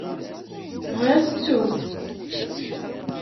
Ɣas ttu-t.